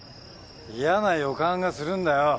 嫌な予感がするんだよ。